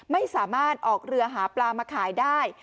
ไม่สามารถออกเรือหาปลามาขายได้